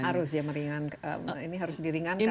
harus ya meringankan ini harus diringankan